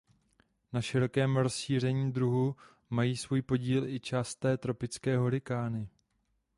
Na širokém rozšíření druhu mají svůj podíl i časté tropické hurikány.